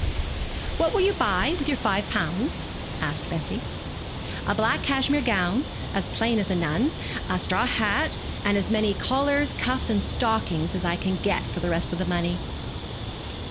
'What will you buy with your five pounds?' asked Bessie. 'A black cashmere gown, as plain as a nun's, a straw hat, and as many collars, cuffs, and stockings as I can get for the rest of the money.'